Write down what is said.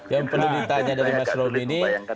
yang perlu ditanya dari mas roby ini